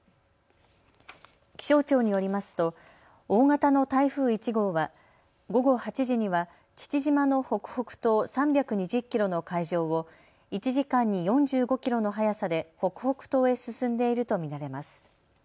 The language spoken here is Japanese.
気象庁によりますと大型の台風１号は午後８時には父島の北北東３２０キロの海上を１時間に４５キロの速さで北北東へ進んでいると見られます。